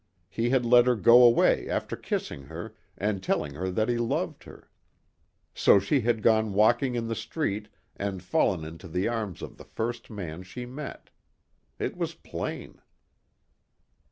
He had let her go away after kissing her and telling her that he loved her. So she had gone walking in the street and fallen into the arms of the first man she met. It was plain.